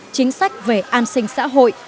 chính sách về an sinh xã hội